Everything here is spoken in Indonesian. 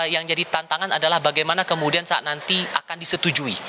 yang jadi tantangan adalah bagaimana kemudian saat nanti akan disetujui